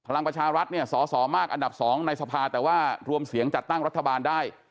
พลังประชารัฐเนี่ยสอสอมากอันดับ๒ในสภาแต่ว่ารวมเสียงจัดตั้งรัฐบาลได้